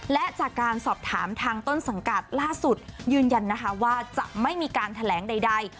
และจากการสอบถามทางต้นสังกัดล่าสุดยืนยันนะคะว่าจะไม่มีการแถลงใด